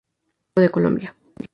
Es nativo de Colombia.